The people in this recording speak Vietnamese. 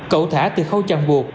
cậu thả từ khâu chặn buộc